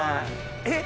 えっ！